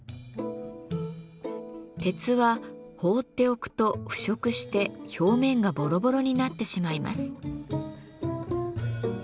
鉄は放っておくと腐食して表面がボロボロになってしまいます。